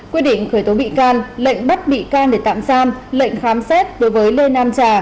quyết định khởi tố bị can lệnh bắt bị can để tạm giam lệnh khám xét đối với lê nam trà